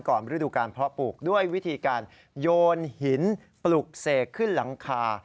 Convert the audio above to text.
ฤดูการเพาะปลูกด้วยวิธีการโยนหินปลุกเสกขึ้นหลังคา